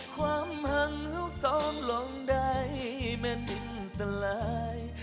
ความห่างเหงาสองลงใดแม่นดินสลาย